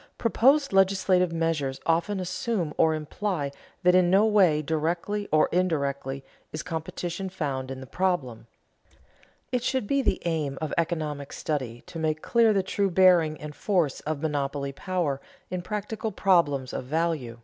Proposed legislative measures often assume or imply that in no way, directly or indirectly, is competition found in the problem. It should be the aim of economic study to make clear the true bearing and force of monopoly power in practical problems of value.